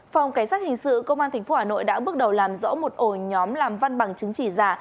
phòng cảnh sát hình sự công an tp hà nội đã bước đầu làm rõ một ổ nhóm làm văn bằng chứng chỉ giả